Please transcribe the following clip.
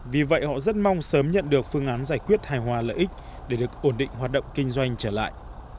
vì vậy họ rất mong sớm nhận được phương án giải quyết hài hòa lợi ích để được ổn định hoạt động kinh doanh trở lại